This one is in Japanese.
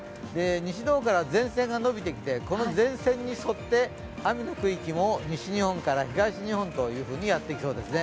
西の方から前線が延びてきてこの前線に沿って雨の区域も西日本から東日本というふうにやってきそうですね。